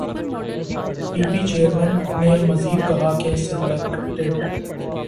پی P chairman نے مزید کہا کہ سلیکٹڈ